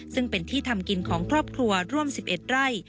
ซึ่งเป็นที่ทำกินของครอบครัวร่วม๑๑ไร่